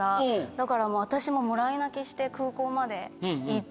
だから私ももらい泣きして空港まで行って。